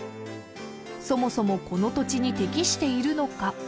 そもそもこの土地に適しているのか。